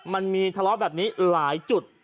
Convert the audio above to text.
มันมีทะเลาะแบบนี้หลายจุด